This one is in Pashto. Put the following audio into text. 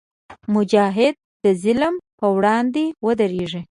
مجاهد د ظلم پر وړاندې ودریږي.